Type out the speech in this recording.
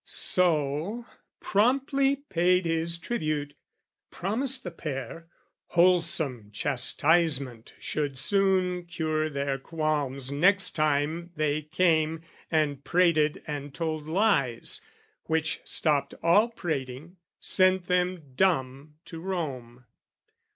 So, promptly paid his tribute, promised the pair, Wholesome chastisement should soon cure their qualms Next time they came and prated and told lies: Which stopped all prating, sent them dumb to Rome.